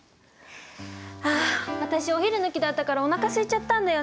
あ私お昼抜きだったからおなかすいちゃったんだよね。